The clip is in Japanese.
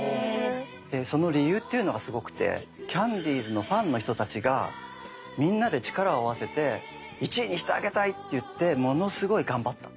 でその理由っていうのがすごくてキャンディーズのファンの人たちがみんなで力を合わせて１位にしてあげたいっていってものすごい頑張った。